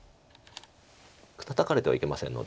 タタかれてはいけませんので。